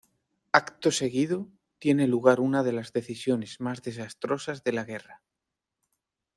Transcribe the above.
Acto seguido tiene lugar una de las decisiones más desastrosas de la guerra.